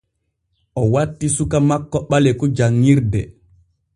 O watti suka makko Ɓaleku janŋirde.